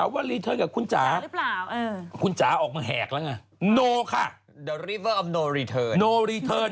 วันนั้นฉันถามเชียร์